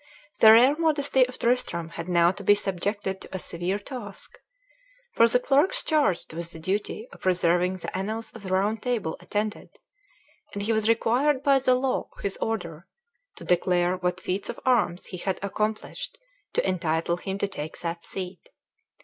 The rare modesty of Tristram had now to be subjected to a severe task; for the clerks charged with the duty of preserving the annals of the Round Table attended, and he was required by the law of his order to declare what feats of arms he had accomplished to entitle him to take that seat.